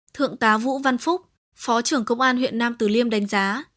thượng tá vũ văn phúc phó trưởng công an huyện nam tử liêm đánh giá